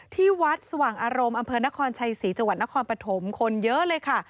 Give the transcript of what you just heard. ที่วัดสว่างอารมณ์อำเภอนครชัยศรีจังหวัดนครปฐมคนเยอะเลยค่ะ